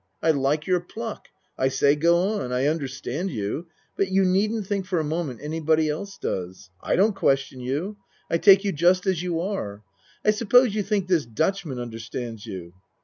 I like your pluck. I say go on. I un derstand you but you needn't think for a mo ment anybody else does. I don't question you. I take you just as you are. I suppose you think this Dutchman understands you?